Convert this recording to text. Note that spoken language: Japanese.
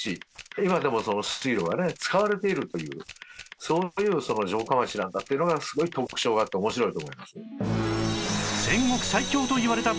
今でもその水路がね使われているというそういう城下町なんだっていうのがすごい特徴があって面白いと思います。